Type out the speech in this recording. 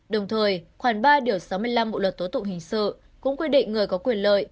đồng thời khoảng ba điều sáu mươi năm bộ luật tố tụng hình sự cũng quy định người có quyền lợi